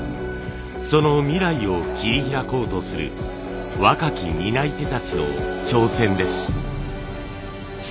その未来を切り開こうとする若き担い手たちの挑戦です。